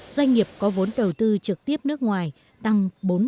doanh nghiệp có vốn đầu tư trực tiếp nước ngoài tăng bốn